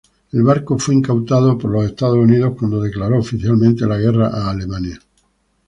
El barco fue incautado por Estados Unidos cuando declaró oficialmente la guerra a Alemania.